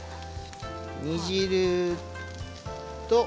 煮汁と。